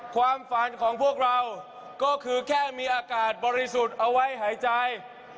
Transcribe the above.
ความฝันของพวกเราก็คือแค่มีอากาศบริสุทธิ์เอาไว้หายใจ